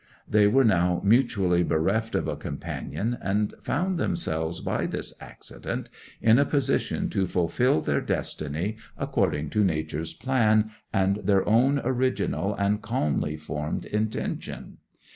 They were now mutually bereft of a companion, and found themselves by this accident in a position to fulfil their destiny according to Nature's plan and their own original and calmly formed intention.